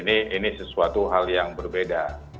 ini sesuatu hal yang berbeda